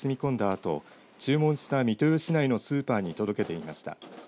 あと注文した三豊市内のスーパーに届けていました。